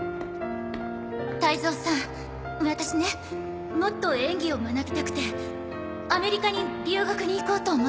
泰造さんワタシねもっと演技を学びたくてアメリカに留学に行こうと思ってるの。